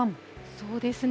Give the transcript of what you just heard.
そうですね。